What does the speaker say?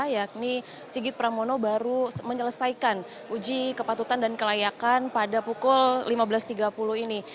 yakni sigit pramono baru menyelesaikan uji kepatutan dan kelayakan pada pukul lima belas tiga puluh ini